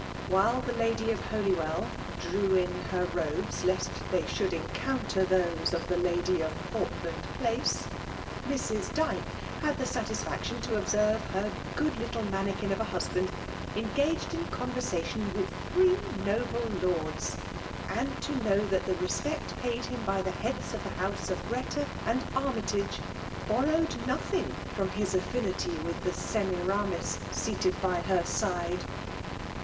While the lady of Holywell drew in her robes, lest they should encounter those of the lady of Portland Place, Mrs* Dyke had the satisfaction to observe her good little mannikin of a husband engf^ed in conversation with three noble lords ; and to know thai the respect paid him by the heads of the house of Greta and Armytage, bor rowed nothing from lus affinity with the 'A FKMALE m^IKATlOlf. SemiraoitB seated by Her side.